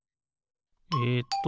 えっと